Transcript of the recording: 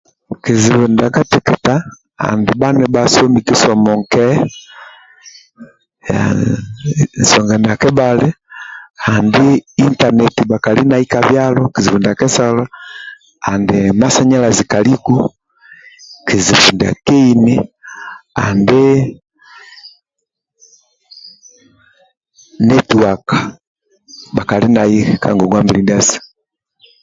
Kizibu ndia katekea andi bha nibhasomi kisomo nke haaa nsonga ndia kebhali intaneti bhakali nai ka byalo kizibu ndiabl kesalo andi masanyalazi kaliku kizibu ndia keini andi netiwaka bhakalia ka ngongwa mbili ndiasu